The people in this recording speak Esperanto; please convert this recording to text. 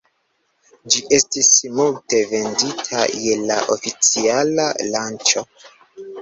Ĝi estis multe vendita je la oficiala lanĉo.